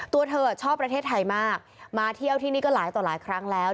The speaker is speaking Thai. ตัวเธอชอบประเทศไทยมากมาเที่ยวที่นี่ก็หลายต่อหลายครั้งแล้ว